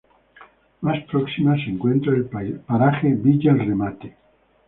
Más próxima se encuentra el paraje villa El Remate.